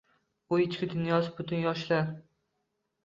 U ichki dunyosi butun yoshlar.